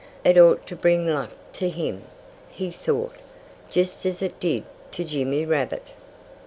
It ought to bring luck to him, he thought, just as it did to Jimmy Rabbit.